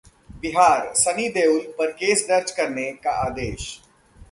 बिहार: सनी देओल पर केस दर्ज करने का आदेश